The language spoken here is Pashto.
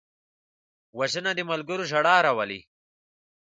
وژنه د ملګرو ژړا راولي